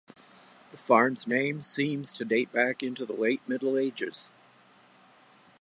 The farm's name seems to date back into the late Middle Ages.